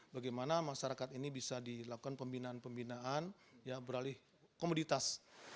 bagaimana masyarakat ini bisa dilakukan pembinaan pembinaan beralih komoditas